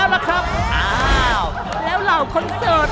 เห็นด้วยกับแม่ไหม